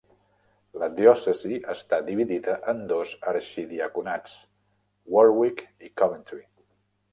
La diòcesi està dividida en dos arxidiaconats, Warwick i Coventry.